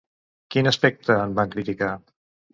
Quin aspecte en van criticar?